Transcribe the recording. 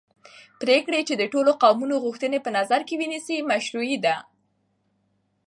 پرېکړې چې د ټولو قومونو غوښتنې په نظر کې ونیسي مشروعې دي